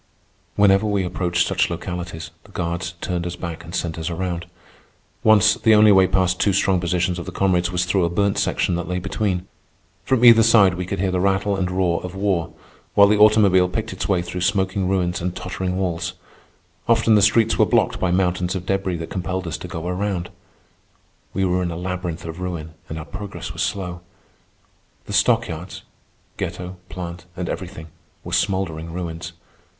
Whenever we approached such localities, the guards turned us back and sent us around. Once, the only way past two strong positions of the comrades was through a burnt section that lay between. From either side we could hear the rattle and roar of war, while the automobile picked its way through smoking ruins and tottering walls. Often the streets were blocked by mountains of debris that compelled us to go around. We were in a labyrinth of ruin, and our progress was slow. The stockyards (ghetto, plant, and everything) were smouldering ruins.